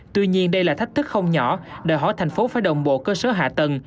tuy nhiên đây là thách thức không nhỏ đòi hỏi thành phố phải đồng bộ cơ sở hạ tầng